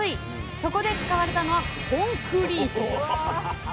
そこで使われたのはコンクリート。